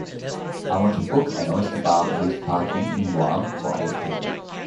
I want to book an oyster bar wit parking in Guam for eight people.